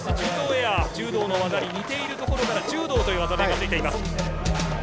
柔道の技に似ているところから「ジュードー」という技名がついています。